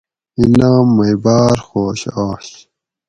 اِیں لام مئ باۤر خوش آش